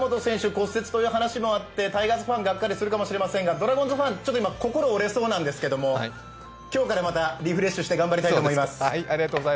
骨折という話もあってタイガースファン、がっかりするかもしれませんが、ドラゴンズファン、心折れそうなんですけれども、今日からまたリフレッシュして頑張りたいと思います。